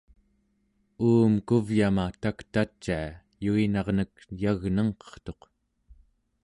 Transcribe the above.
uum kuvyama taktacia yuinarnek yagnengqertuq